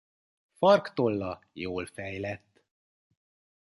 Farktolla jól fejlett.